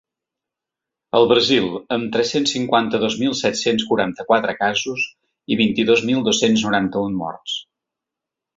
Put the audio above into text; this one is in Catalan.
El Brasil, amb tres-cents cinquanta-dos mil set-cents quaranta-quatre casos i vint-i-dos mil dos-cents noranta-un morts.